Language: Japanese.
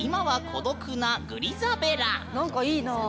何かいいなあ。